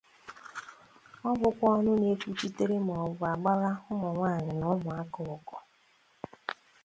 O bụkwa ọnụ na-ekwuchitere maọbụ a gbara ụmụ nwaanyị na ụmụaka ọgọ.